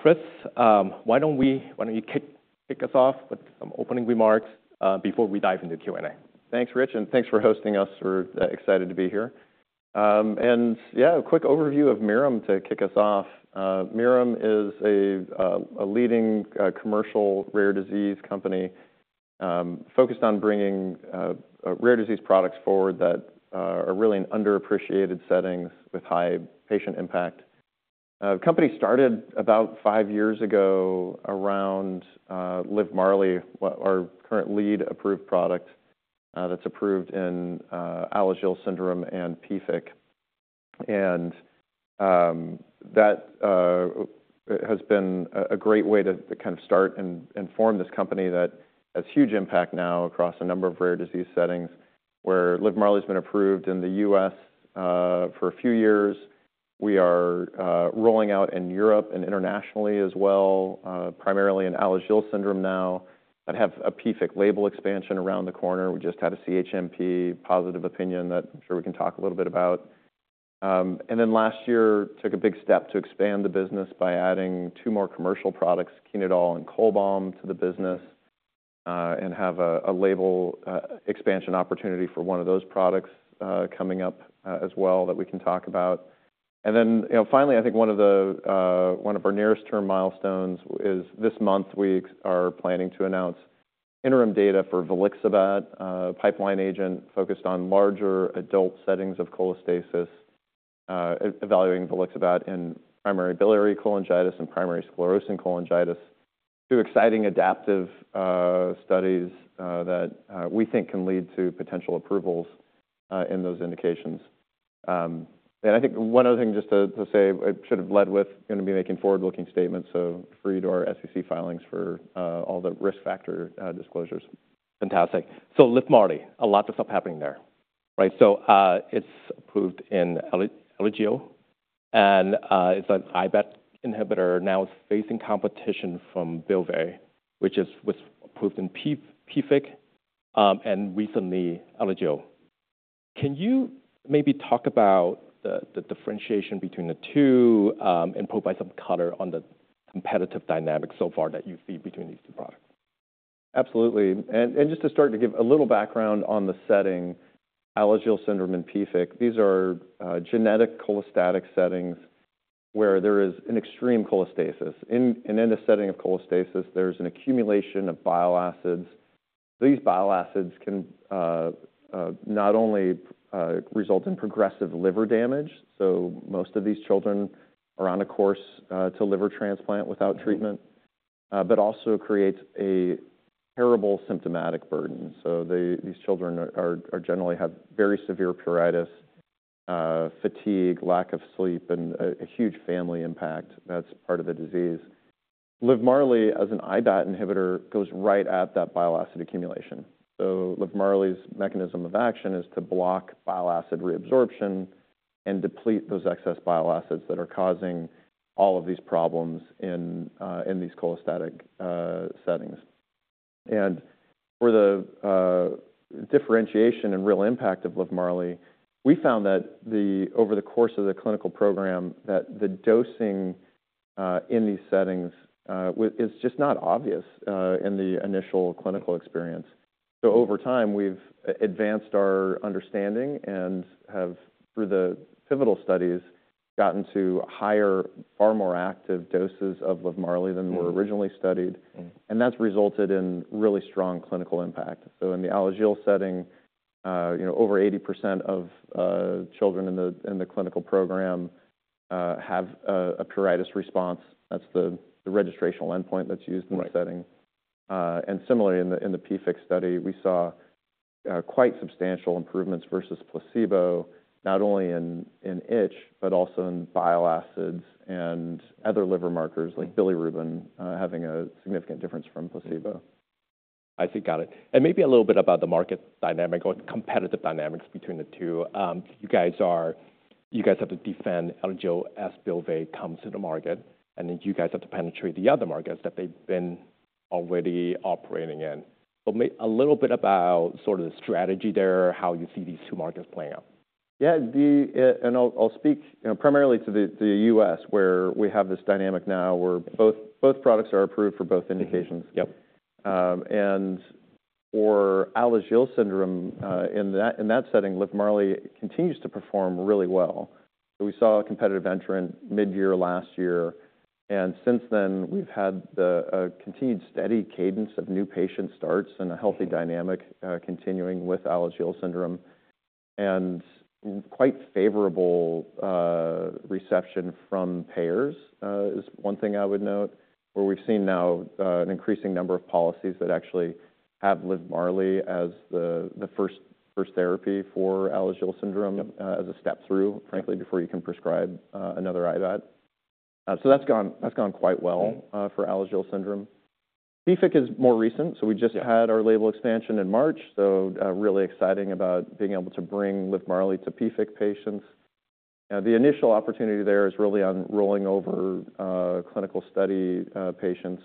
Chris, why don't you kick us off with some opening remarks before we dive into Q and A. Thanks Rich and thanks for hosting us. We're excited to be here. Yeah, a quick overview of Mirum to kick us off. Mirum is a leading commercial rare disease company focused on bringing rare disease products forward that are really an underappreciated setting with high patient impact. The company started about five years ago around LIVMARLI, our current lead approved product that's approved in Alagille Syndrome and PFIC and that has been a great way to kind of start and inform this company that has huge impact now across a number of rare disease settings. Where LIVMARLI has been approved in the U.S. for a few years, we are rolling out in Europe and internationally as well, primarily in Alagille Syndrome now that have PFIC label expansion around the corner. We just had a CHMP positive opinion that I'm sure we can talk a little bit about. And then last year took a big step to expand the business by adding two more commercial products, Chenodal and Cholbam to the business and have a label expansion opportunity for one of those products coming up as well that we can talk about. And then finally I think one of our nearest term milestones is this month we are planning to announce interim data for volixibat pipeline agent focused on larger adult settings of cholestasis, evaluating volixibat in primary biliary cholangitis and primary sclerosing cholangitis two exciting adaptive studies that we think can lead to potential approvals in those indications. And I think one other thing just to say it should have led with going to be making forward-looking statements. So refer to our SEC filings for all the risk factor disclosures. Fantastic. So LIVMARLI, a lot of stuff happening there. Right. So it's approved in Alagille and it's an IBAT inhibitor now facing competition from BYLVAY which was approved in PFIC and recently Alagille. Can you maybe talk about the differentiation between the two and provide some color on the competitive dynamics so far that you see between these two products? Absolutely. And just to start to give a little background on the setting, Alagille Syndrome and PFIC, these are genetic cholestatic settings where there is an extreme cholestasis in and in the setting of cholestasis there's an accumulation of bile acids. These bile acids can not only result in progressive liver damage, so most of these children are on a course to liver transplant without treatment, but also creates a terrible symptomatic burdens. So these children generally have very severe pruritus, fatigue, lack of sleep, and a huge family impact that's part of the disease. LIVMARLI, as an IBAT inhibitor, goes right at that bile acid accumulation. So LIVMARLI's mechanism of action is to block bile acid reabsorption and deplete those excess bile acids that are causing all of these problems in these cholestatic settings. And for the differentiation and real impact of LIVMARLI, we found that over the course of the clinical program, that the dosing in these settings is just not obvious in the initial clinical experience. So over time, we've advanced our understanding and have, through the pivotal studies, gotten to higher, far more active doses of LIVMARLI than were originally studied. And that's resulted in really strong clinical impact. So in the Alagille setting, over 80% of children in the clinical program have a pruritus response. That's the registrational endpoint that's used in the setting. And similarly, in the PFIC study, we saw quite substantial improvements versus placebo, not only in itch, but also in bile acids and. And other liver markers like bilirubin having a significant difference from placebo. I see. Got it. And maybe a little bit about the market dynamic or competitive dynamics between the two. You guys have to defend Alagille as BYLVAY comes to the market, and then you guys have to penetrate the other markets that they've been already operating in a little bit about sort of the strategy there, how you see these two markets playing out. Yeah. And I'll speak primarily to the U.S. where we have this dynamic now, where both products are approved for both indications. For Alagille Syndrome in that setting, LIVMARLI continues to perform really well. We saw a competitive entrant mid-year last year, and since then we've had a continued steady cadence of new patient starts and a healthy dynamic continuing with Alagille Syndrome and quite favorable reception from payers is one thing I would note where we've seen now an increasing number of policies that actually have LIVMARLI as the first therapy for Alagille Syndrome as a step through, frankly, before you can prescribe another IBAT. That's gone quite well for Alagille Syndrome. PFIC is more recent, so we just had our label expansion in March. Really exciting about being able to bring LIVMARLI to PFIC patients. The initial opportunity there is really on rolling over clinical study patients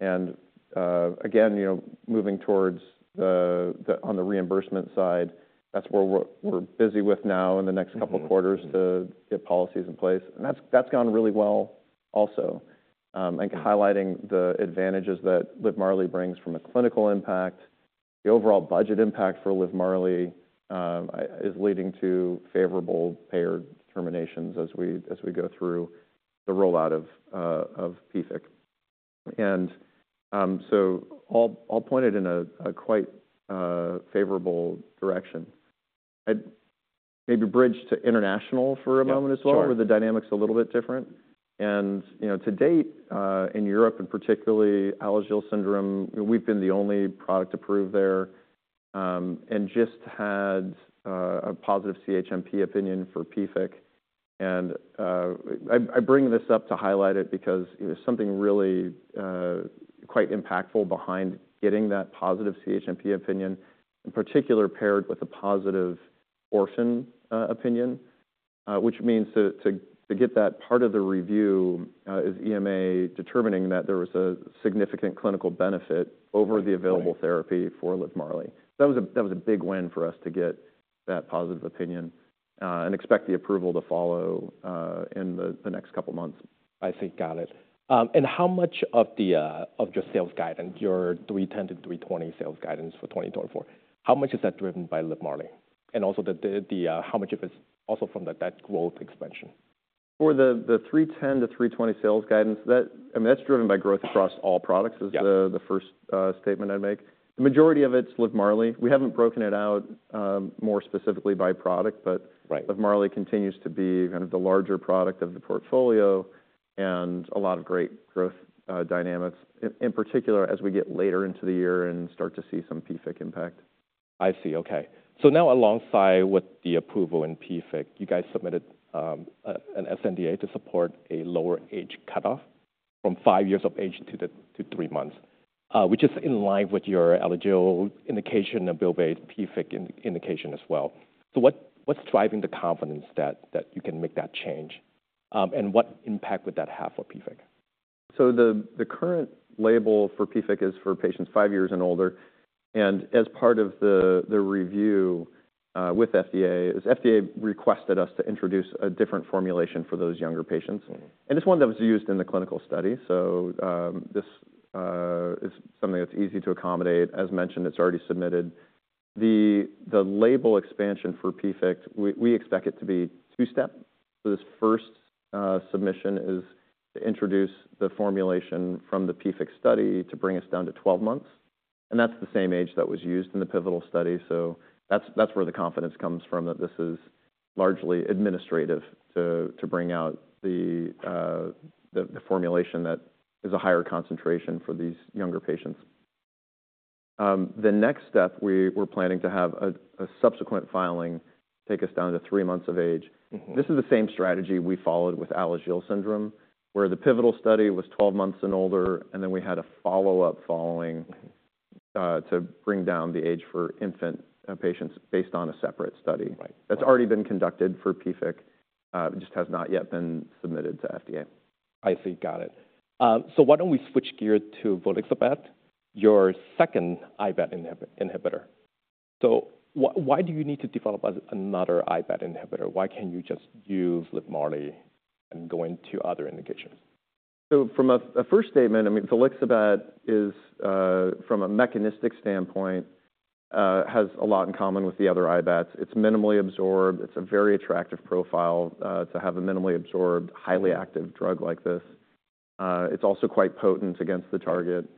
and again, you know, moving towards on the reimbursement side. That's where we're busy with now in the next couple quarters to get policies in place and that's gone really well also. Highlighting the advantages that LIVMARLI brings from a clinical impact, the overall budget impact for LIVMARLI is leading to favorable payer determinations as we go through the rollout of PFIC and so all pointed in a quite favorable direction. Maybe bridge to international for a moment as well where the dynamics a little bit different. To date in Europe and particularly Alagille Syndrome, we've been the only product approved there and just had a positive CHMP opinion for PFIC. And I bring this up to highlight it because something really quite impactful behind getting that positive CHMP opinion in particular paired with a positive orphan opinion, which means to get that part of the review is EMA determining that there was a significant clinical benefit over the available therapy for LIVMARLI. That was a big win for us to get that positive opinion and expect the approval to follow in the next couple months. I see. Got it. How much of your sales guidance, your $310 million-$320 million sales guidance for 2024, how much is that driven by LIVMARLI and also how much of it's also from the label growth expansion? For the $310 million-$320 million sales guidance that's driven by growth across all products is the first statement I'd make. The majority of it's LIVMARLI. We haven't broken it out more specifically by product, but LIVMARLI continues to be the larger product of the portfolio and a lot of great growth dynamics in particular as we get later into the year and start to see some PFIC impact. I see. Okay, so now alongside with the approval in PFIC, you guys submitted an NDA to support a lower age cutoff from five years of age to three months, which is in line with your Alagille indication and BYLVAY PFIC indication as well. So what's driving the confidence that you can make that change and what impact would that have for PFIC? So the current label for PFIC is for patients five years and older and as part of the review with FDA is FDA requested us to introduce a different formulation for those younger patients and it's one that was used in the clinical study. So this is something that's easy to accommodate. As mentioned, it's already submitted the label expansion for PFIC. We expect it to be two-step for this first submission is to introduce the formulation from the PFIC study to bring us down to 12 months. And that's the same age that was used in the pivotal study. So that's where the confidence comes from that this is largely administrative to bring out the formulation that is a higher concentration for these younger patients. The next step, we're planning to have a subsequent filing take us down to three months of age. This is the same strategy we followed with Alagille Syndrome where the pivotal study was 12 months and older. And then we had a follow up following to bring down the age for infant patients based on a separate study that's already been conducted for PFIC just has not yet been submitted to FDA. I see. Got it. So why don't we switch gears to volixibat, your second IBAT inhibitor. So why do you need to develop another IBAT inhibitor? Why can't you just use LIVMARLI and go into other indications? So from a first statement, I mean, volixibat is from a mechanistic standpoint, has a lot in common with the other IBATs. It's minimally absorbed. It's a very attractive profile to have a minimally absorbed, highly active drug like this. It's also quite potent against the target.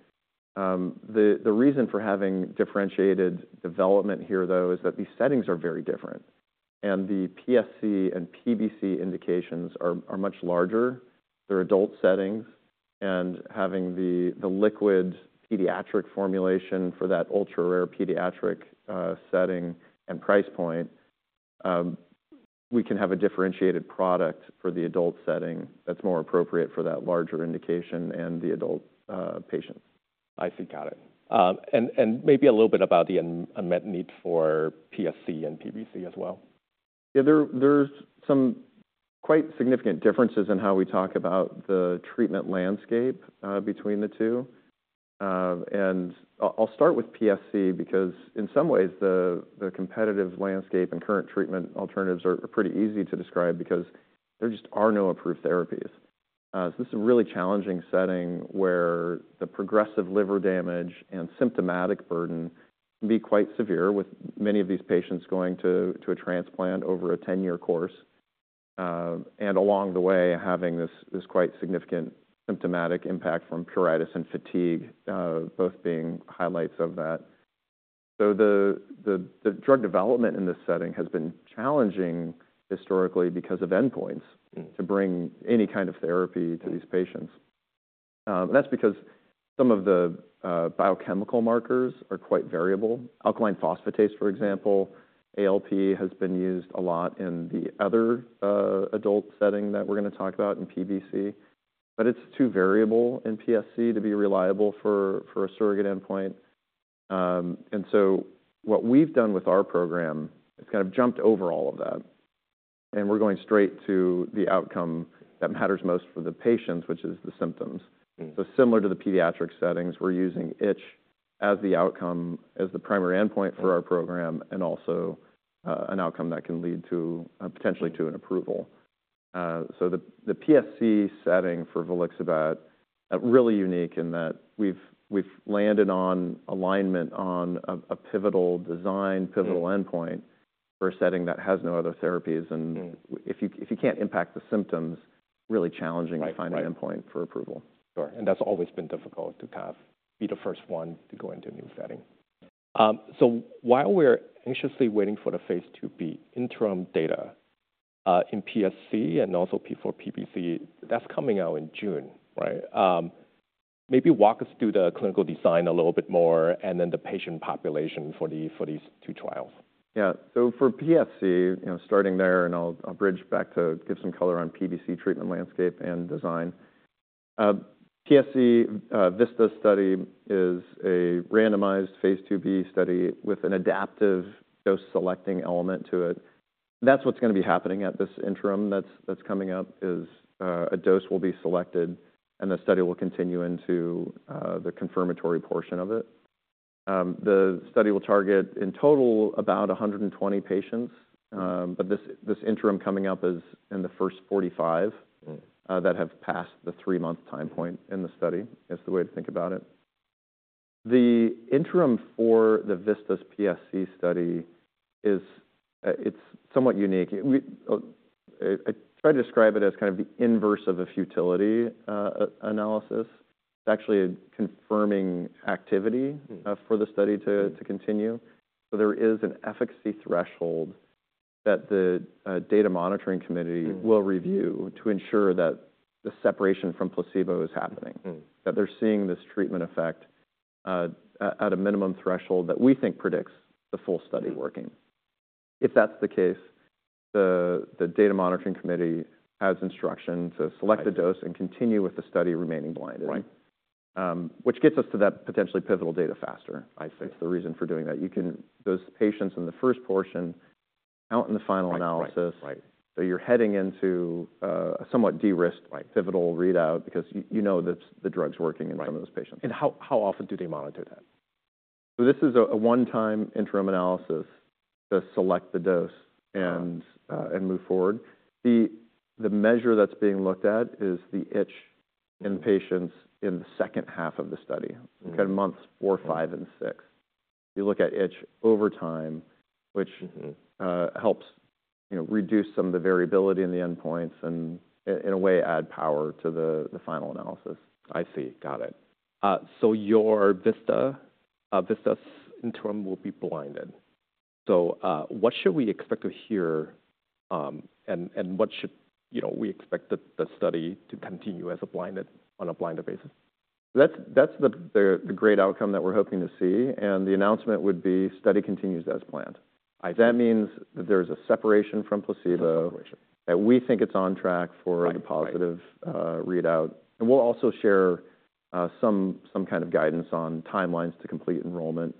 The reason for having differentiated development here though is that these settings are very different and the PSC and PBC indications are much larger. They're adult settings. And having the liquid pediatric formulation for that ultra rare pediatric setting and price point, we can have a differentiated product for the adult setting that's more appropriate for that larger indication and the adult. I see. Got it. And maybe a little bit about the unmet need for PSC and PBC as well. Yeah, there's some quite significant differences in how we talk about the treatment landscape between the two. And I'll start with PSC because in some ways the competitive landscape and current treatment alternatives are pretty easy to describe because there just are no approved therapies. This is a really challenging setting where the progressive liver damage and symptomatic burden can be quite severe with many of these patients going to a transplant over a 10-year course and along the way having this quite significant symptomatic impact from pruritus and fatigue, both being highlights of that. So the drug development in this setting has been challenging historically because of endpoints to bring any kind of therapy to these patients. That's because some of the biochemical markers are quite variable. Alkaline phosphatase, for example. ALP has been used a lot in the other adult setting that we're going to talk about in PBC. But it's too variable in PSC to be reliable for a surrogate endpoint. And so what we've done with our program is kind of jumped over all of that and we're going straight to the outcome that matters most for the patients, which is the symptoms. So similar to the pediatric settings, we're using itch as the outcome as the primary endpoint for our program and also an outcome that can lead to potentially to an approval. So the PSC setting for volixibat, really unique in that we've landed on alignment, on a pivotal design, pivotal endpoint for a setting that has no other therapies. And if you can't impact the symptoms, really challenging to find an endpoint for approval. That's always been difficult to be the first one to go into a new setting. While we're anxiously waiting for the phase II-B interim data in PSC and also for PFIC that's coming out in June. Right. Maybe walk us through the clinical design a little bit more and then the patient population for these two trials. Yeah. So for PSC starting there and I'll bridge back to give some color on PBC treatment landscape and design. PSC VISTAS study is a randomized phase II-B study with an adaptive dose selecting element to it. That's what's going to be happening at this interim that's coming up is a dose will be selected and the study will continue into the confirmatory portion of it. The study will target in total about 120 patients. But this interim coming up is in the first 45 that have passed the 3-month time point in the study is the way to think about it. The interim for the VISTAS PSC study is somewhat unique. I tried to describe it as kind of the inverse of a futility analysis, actually confirming activity for the study to continue. So there is an efficacy threshold that the data monitoring committee will review to ensure that the separation from placebo is happening, that they're seeing this treatment effect at a minimum threshold that we think predicts placebo the full study working. If that's the case, the data monitoring committee has instruction to select the dose and continue with the study remaining blinded. Which gets us to that potentially pivotal data faster I think is the reason for doing that. Those patients in the first portion out in the final analysis. So you're heading into a somewhat de risked pivotal readout because you know the drug's working in some of those patients. How often do they monitor that? This is a one-time interim analysis to select the dose and move forward. The measure that's being looked at is the itch in patients in the second half of the study months four, five, and six, you look at itch over time, which helps reduce some of the variability in the endpoints and in a way add power to the final analysis. I see. Got it. So your VISTAS interim will be blinded. So what should we expect to hear and what should we expect the study to continue as a blinded? On a blinded basis. That's the great outcome that we're hoping to see. The announcement would be study continues as planned. That means that there's a separation from placebo. We think it's on track for the positive readout and we'll also share some kind of guidance on timelines to complete enrollment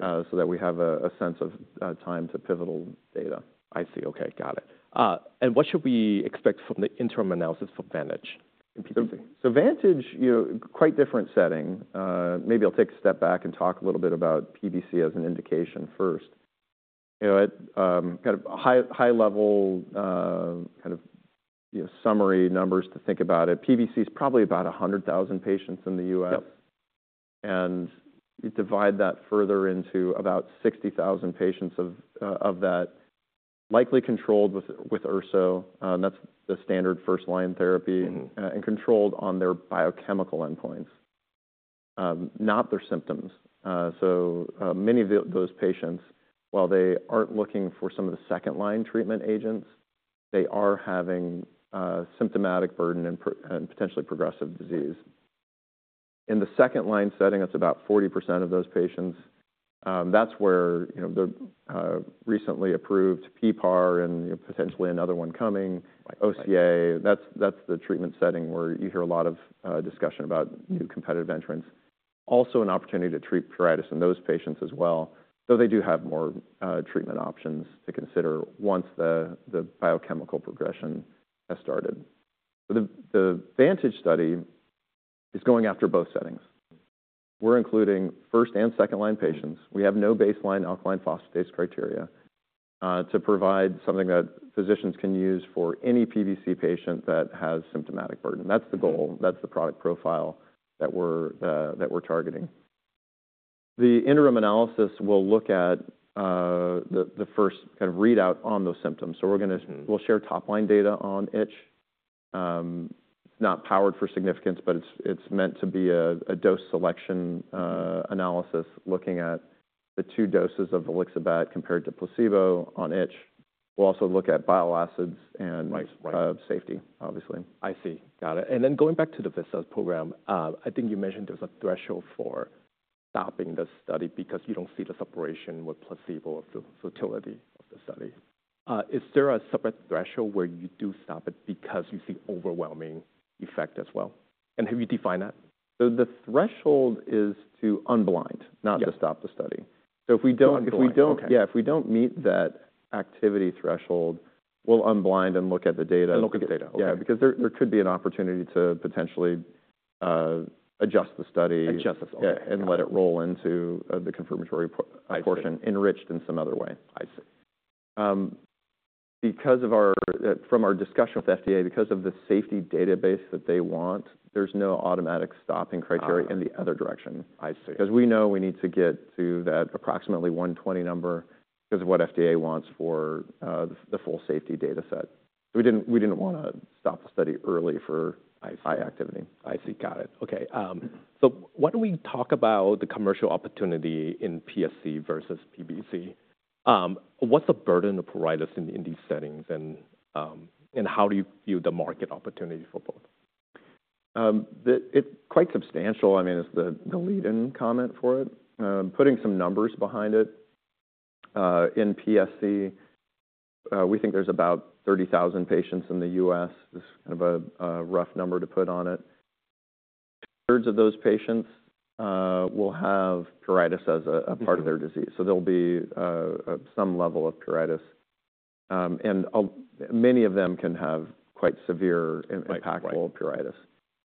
so that we have a sense of time to pivotal data. I see. Okay, got it. And what should we expect from the interim analysis for VANTAGE? So VANTAGE, you know, quite different setting. Maybe I'll take a step back and talk a little bit about PBC as an indication first at high level summary numbers. To think about it, PBC is probably about 100,000 patients in the U.S. and you divide that further into about 60,000 patients of that likely controlled with ursodiol. That's the standard first line therapy and controlled on their biochemical endpoints, not their symptoms. So many of those patients, while they aren't looking for some of the second line treatment agents, they are having symptomatic burden and potentially progressive disease. In the second line setting. It's about 40% of those patients. That's where the recently approved PPAR and potentially another one coming OCA. That's the treatment setting where you hear a lot of discussion about new competitive entrants. Also an opportunity to treat pruritus in those patients as well, though they do have more treatment options to consider once the biochemical progression has started. The VANTAGE study is going after both settings. We're including first and second line patients. We have no baseline alkaline phosphatase criteria to provide something that physicians can use for any PSC patient that has symptomatic burden. That's the goal. That's the product profile that we're targeting. The interim analysis will look at the first kind of readout on those symptoms. So we'll share top line data on itch. Not powered for significance, but it's meant to be a dose selection analysis looking at the two doses of volixibat compared to placebo on itch. We'll also look at bile acids and safety, obviously. I see. Got it. And then going back to the VISTA program, I think you mentioned there's a threshold for stopping the study because you don't see the separation with placebo or futility of the study. Is there a separate threshold where you do stop it? Because you see overwhelming effect as well. And have you defined that? The threshold is to unblind, not to stop the study. So if we don't. If we don't. Yeah. If we don't meet that activity threshold, we'll unblind and look at the data. Look at the data. Yeah. Because there could be an opportunity to potentially adjust the study and let it roll into the confirmatory portion enriched in some other way. I see. Because of our discussion with FDA, because of the safety database that they want, there's no automatic stopping criteria in the other direction. I see. Because we know we need to get to that approximately 120 number because of what FDA wants for the full safety data set. So we didn't want to stop the study early for high activity. I see. Got it. Okay, so why don't we talk about the commercial opportunity in PSC versus PBC. What's the burden of pruritus in these settings and how do you view the market opportunity for both? It's quite substantial. I mean, it's the lead in comment for it, putting some numbers behind it. In PSC, we think there's about 30,000 patients in the U.S. This is kind of a rough number to put on it. Two thirds of those patients will have pruritus as a part of their disease. So there'll be some level of pruritus and many of them can have quite severe impactful pruritus.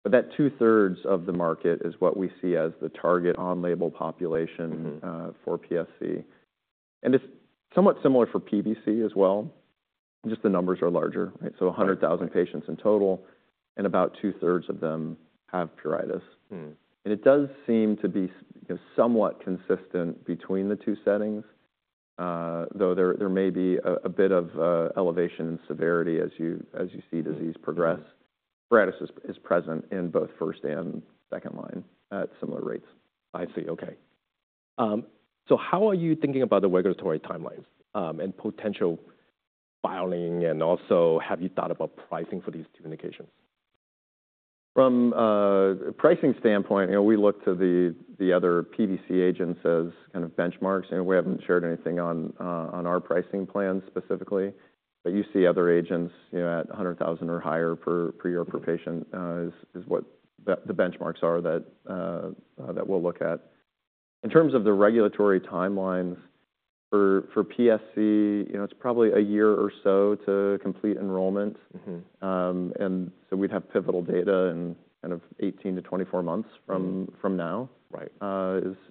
But that 2/3 of the market is what we see as the target on label population for PSC. And it's somewhat similar for PBC as well, just the numbers are larger. So 100,000 patients in total and about 2/3 of them have pruritus. And it does seem to be somewhat consistent between the two settings, though there may be a bit of elevation in severity. As you see, disease progress is present in both first and second line at similar rates. I see. Okay. So how are you thinking about the regulatory timelines and potential filing? And also have you thought about pricing? For these two indications from a pricing standpoint? We look to the other PBC agents as kind of benchmarks. We haven't shared anything on our pricing plan specifically, but you see other agents at $100,000 or higher per year per patient is what the benchmarks are that we'll look at. In terms of the regulatory timelines for PSC, it's probably a year or so to complete enrollment and so we'd have pivotal data in 18 months-24 months from now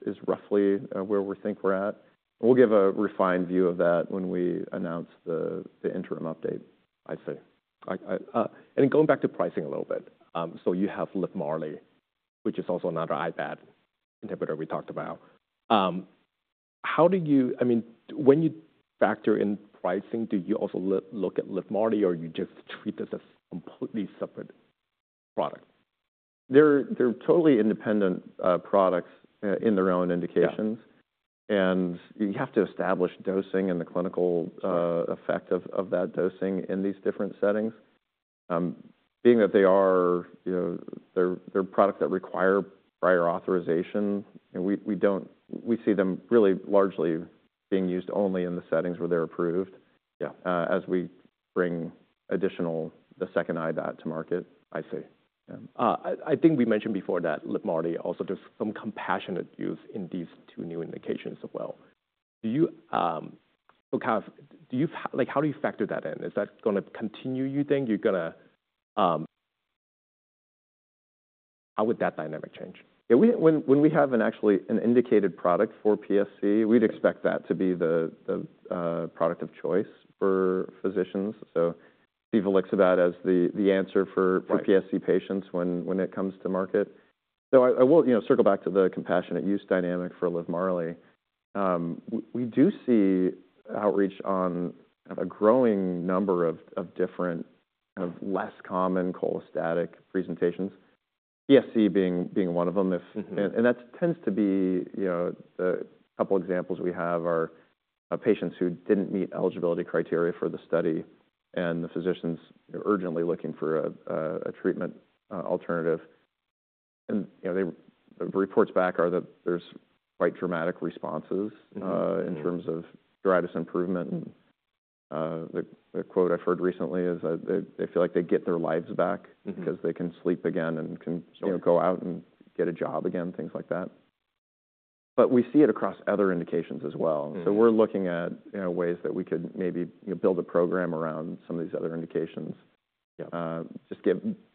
is roughly where we think we're at. We'll give a refined view of that when we announce the interim update. I see. Going back to pricing a little bit. So you have LIVMARLI, which is also another IBAT inhibitor we talked about. I mean, when you factor in pricing, do you also look at LIVMARLI or you just treat this as completely separate product? They're totally independent products in their own indications and you have to establish dosing and the clinical effect of that dosing in these different settings, being that they are products that require prior authorization. We see them really largely being used only in the settings where they're approved. As we bring additional the second IBAT to market. I see. I think we mentioned before that LIVMARLI also does some compassionate use in these two new indications as well. Do you. Like. How do you factor that in? Is that going to continue? You think you're going to. How would that dynamic change? When we have an actually an indicated product for PSC, we'd expect that to be the product of choice for physicians. So volixibat as the answer for PSC patients when it comes to market. So I will circle back to the compassionate use dynamic for LIVMARLI. We do see outreach on a growing number of different less common cholestatic presentations, PSC being one of them. And that tends to be a couple examples we have are patients who didn't meet eligibility criteria for the study and the physicians urgently looking for a treatment alternative. And the reports back are that there's quite dramatic responses in terms of pruritus improvement. The quote I've heard recently is they feel like they get their lives back because they can sleep again and can go out and get a job again, things like that. But we see it across other indications as well. We're looking at ways that we could maybe build a program around some of these other indications just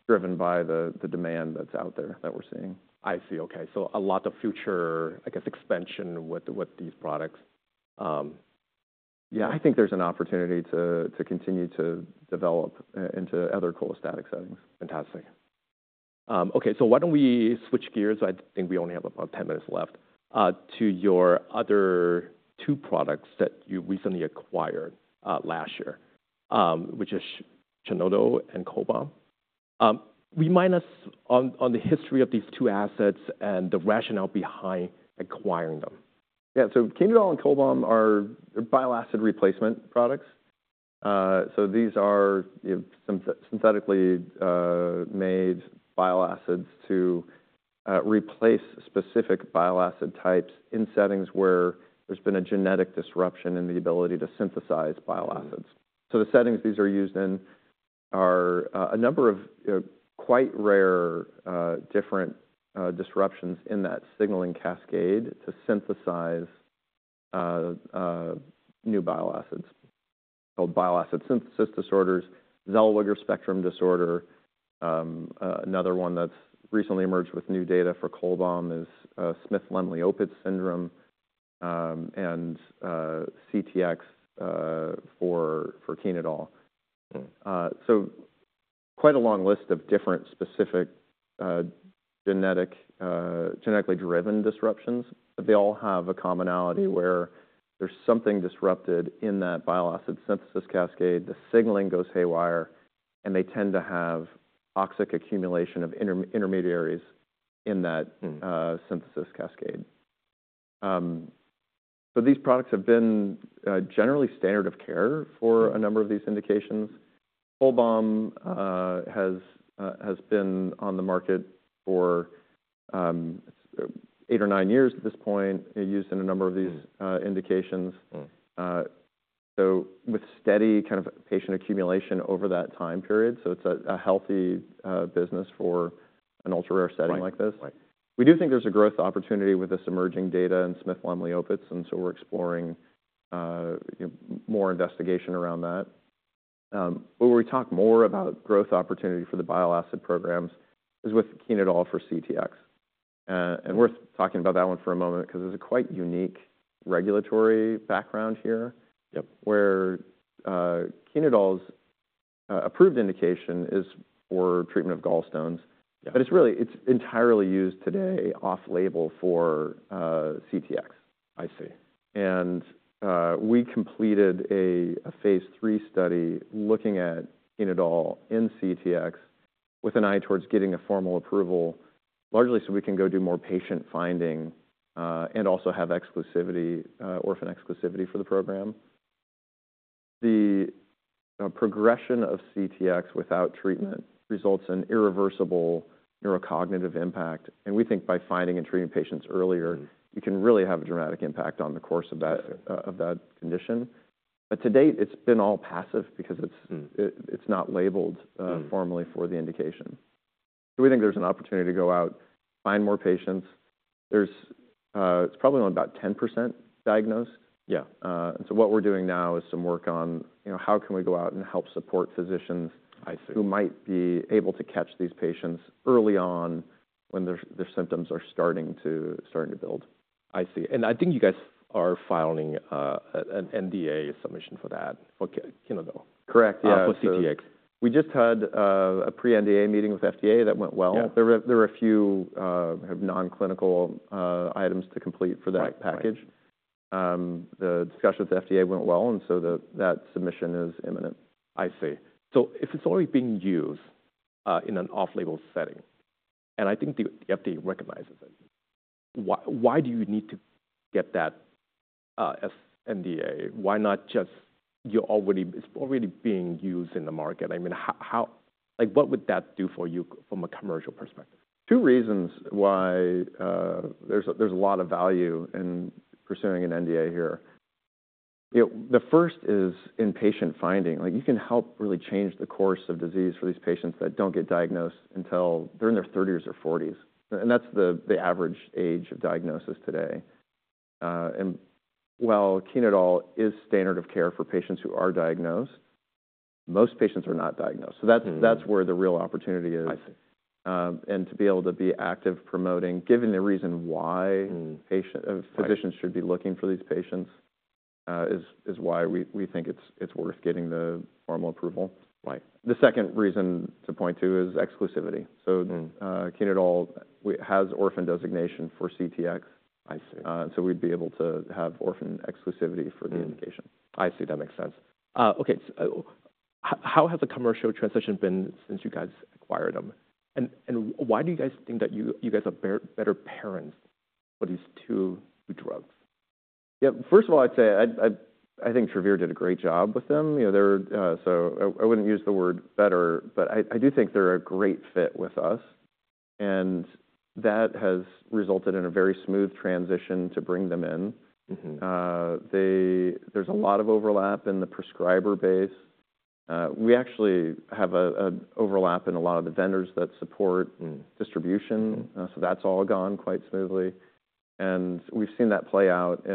driven by the demand that's out there that we're seeing. I see. Okay, so a lot of future, I guess, expansion with these products. Yeah, I think there's an opportunity to continue to develop into other cholestatic settings. Fantastic. Okay, so why don't we switch gears. I think we only have about 10 minutes left to your other two products that you recently acquired last year, which is Chenodal and Cholbam. Remind us on the history of these two assets and the rationale behind acquiring them. Yeah. So Chenodal and Cholbam are bile acid replacement products. So these are synthetically made bile acids to replace specific bile acid types in settings where there's been a genetic disruption in the ability to synthesize bile acids. So the settings these are used in are a number of quite rare different disruptions in that signaling cascade to synthesize new bile acids called bile acid synthesis disorders. Zellweger spectrum disorder. Another one that's recently emerged with new data for Cholbam is Smith-Lemli-Opitz syndrome and CTX for Chenodal. So quite a long list of different specific genetically driven disruptions. They all have a commonality where there's something disrupted in that bile acid synthesis cascade. The signaling goes haywire and they tend to have toxic accumulation of intermediaries in that synthesis cascade. So these products have been generally standard of care for a number of these indications. Cholbam has been on the market for eight or nine years at this point, used in a number of these indications. So with steady kind of patient accumulation over that time period. So it's a healthy business for an ultra rare setting like this. We do think there's a growth opportunity with this emerging data in Smith-Lemli-Opitz and so we're exploring more investigation around that. Where we talk more about growth opportunity for the bile acid programs is with Chenodal for CTX. And worth talking about that one for a moment because it's a quite unique regulatory background here where Chenodal's approved indication is for treatment of gallstones. But it's really, it's entirely used today off label for CTX. I see. We completed a phase III study looking at Chenodal in CTX with an eye towards getting a formal approval largely so we can go do more patient finding and also have exclusivity, orphan exclusivity for the program. The progression of CTX without treatment results in irreversible neurocognitive impact. We think by finding and treating patients earlier you can really have a dramatic impact on the course of that condition. To date it's been all passive because it's not labeled formally for the indication. We think there's an opportunity to go out, find more patients. It's probably only about 10% diagnosed. Yeah. And so what we're doing now is some work on how can we go out and help support physicians who might be able to catch these patients early on when their symptoms are starting to build. I see. I think you guys are filing an NDA submission for that. Correct. We just had a pre-NDA meeting with FDA. That went well. There were a few non-clinical items to complete for that package. The discussion with the FDA went well and so that submission is imminent. I see. So if it's already being used in an off-label setting and I think the FDA recognizes it, why do you need to get that as NDA? Why not just you're already, it's already being used in the market. I mean, how, like what would that do for you from a commercial perspective? Two reasons why there's a lot of value in pursuing an NDA here. The first is inpatient finding. Like, you can help really change the course of disease for these patients that don't get diagnosed until they're in their 30s or 40s and that's the average age of diagnosis today. And while Chenodal is standard of care for patients who are diagnosed, most patients are not diagnosed. So that's where the real opportunity is and to be able to be active, promoting giving. The reason why physicians should be looking for these patients is why we think it's worth getting the formal approval. The second reason to point to is exclusivity. So Chenodal has orphan designation for CTX, so we'd be able to have orphan exclusivity for the indication. I see. That makes sense. Okay, how has the commercial transition been since you guys acquired them and why do you guys think that you guys are better parents for these two drugs? Yeah, first of all, I'd say I think Travere did a great job with them. So I wouldn't use the word better, but I do think they're a great fit with us and that has resulted in a very smooth transition to bring them in. There's a lot of overlap in the prescriber base. We actually have an overlap in a lot of the vendors that support distribution. So that's all gone quite smoothly. And we've seen that play out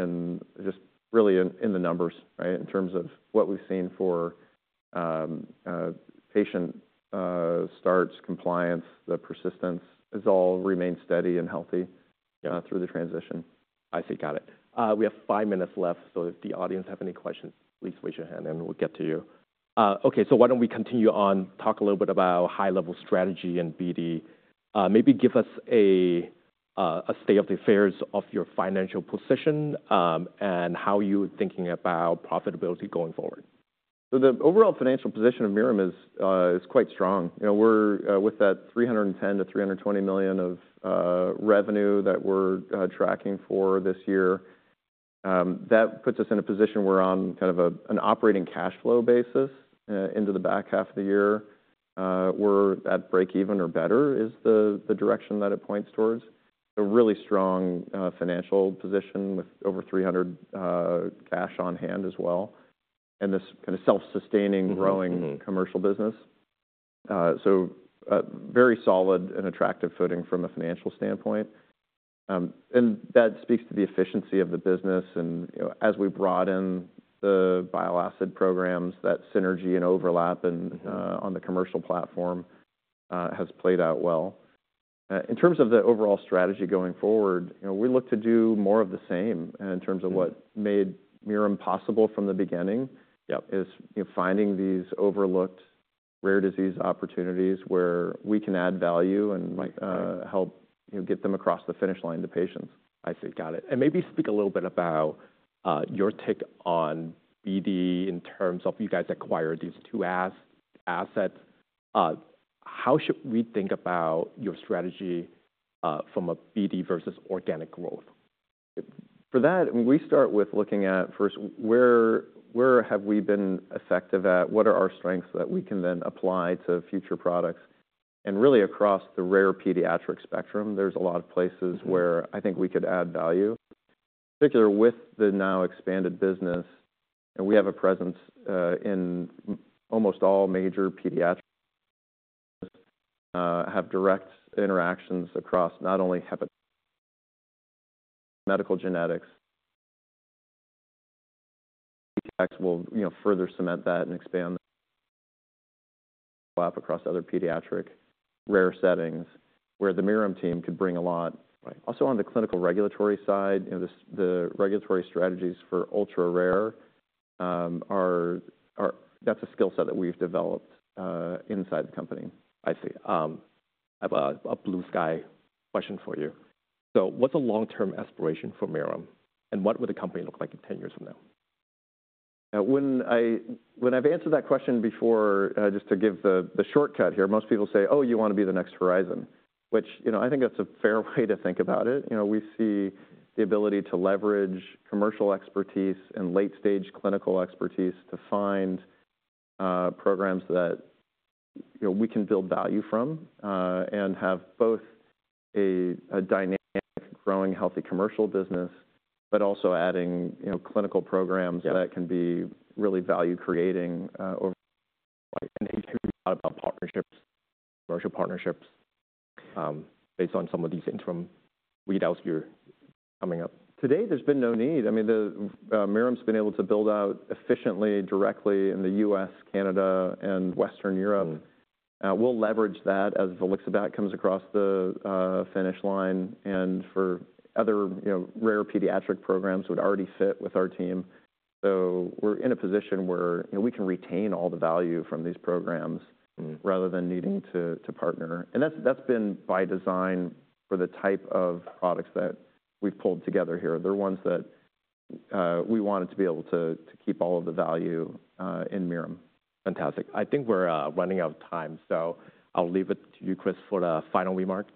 just really in the numbers in terms of what we've seen for patient starts, compliance, the persistence is all remain steady and healthy through the transition. I see. Got it. We have five minutes left, so if the audience have any questions, please raise your hand and we'll get to you. Okay, so why don't we continue on, talk a little bit about high level strategy and bd, maybe give us a state of the affairs of your financial position and how you thinking about profitability going forward. So the overall financial position of Mirum is quite strong. You know, we're with that $310 million-$320 million of revenue that we're tracking for this year. That puts us in a position we're on kind of an operating cash flow basis into the back half of the year. We're at break even or better is the direction that it points towards a really strong financial position with over $300 million cash on hand as well. And this kind of self sustaining growing commercial business. So very solid and attractive footing from a financial standpoint. And that speaks to the efficiency of the business. And as we broaden the bile acid programs that synergy and overlap on the commercial platform has played out well in terms of the overall strategy. Going forward we look to do more of the same in terms of what made Mirum possible from the beginning is finding these overlooked rare disease opportunities where we can add value and help get them across the finish line to patients. I see. Got it. Maybe speak a little bit about your take on BD in terms of you guys acquired these two assets. How should we think about your strategy from a balance versus organic growth? For that, we start with looking at, first, where have we been effective at? What are our strengths that we can then apply to future products. And really across the rare pediatric spectrum, there's a lot of places where I think we could add value, particularly with the now expanded business. We have a presence in almost all major pediatrics and have direct interactions across not only hepato medical genetics. Will further cement that and expand across other pediatric rare settings where the Mirum team could bring a lot. Also on the clinical regulatory side, the regulatory strategies for ultra-rare areas. Or that's a skill set that we've developed inside the company. I see. I have a blue sky question for you. So what's a long-term aspiration for Mirum and what would the company look like 10 years from now? When I've answered that question before, just to give the shortcut here, most people say oh, you want to be the next Horizon. Which I think that's a fair way to think about it. We see the ability to leverage commercial commercial expertise and late stage clinical expertise to find programs that we can build value from and have both a dynamic growing healthy commercial business, but also adding clinical programs that can be really value creating. And about partnerships, commercial partnerships based on some of these interim data we talked about, we're coming up. Today there's been no need. I mean the Mirum's been able to build out efficiently directly in the U.S., Canada and Western Europe. We'll leverage that as the volixibat comes across the finish line and for other rare pediatric programs would already fit with our team. So we're in a position where we can retain all the value from these programs rather than needing to partner and that's been by design for the type of products that we've pulled together here. They're ones that we wanted to be able to keep all of the value in Mirum. Fantastic. I think we're running out of time, so I'll leave it to you, Chris, for the final remark.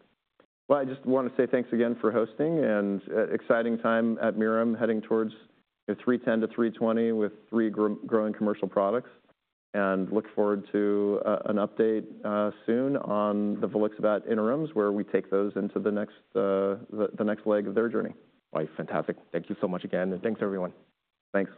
Well, I just want to say thanks again for hosting, an exciting time at Mirum. Heading towards $310 million-$320 million with three growing commercial products. And look forward to an update soon on the volixibat interims, where we take those into the next. The next leg of their journey. Fantastic. Thank you so much again and thanks, everyone. Thanks.